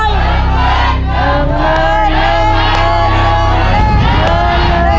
เท่าไร